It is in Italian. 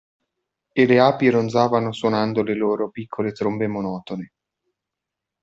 E le api ronzavano suonando le loro piccole trombe monotone.